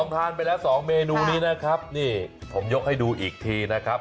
ข้างบัวแห่งสันยินดีต้อนรับทุกท่านนะครับ